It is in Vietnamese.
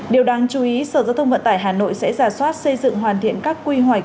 điều đáng chú ý sở giao thông vận tải hà nội sẽ giả soát xây dựng hoàn thiện các quy hoạch